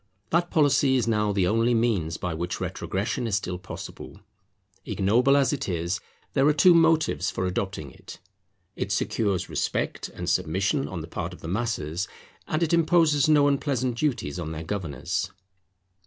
That policy is now the only means by which retrogression is still possible. Ignoble as it is, there are two motives for adopting it; it secures respect and submission on the part of the masses, and it imposes no unpleasant duties on their governors.